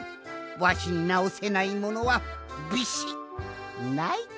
わしになおせないものはビシッない！